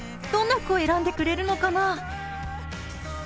どんな服選んでくれるのかな？